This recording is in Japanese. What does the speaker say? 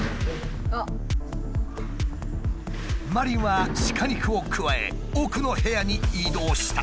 マリンは鹿肉をくわえ奥の部屋に移動した。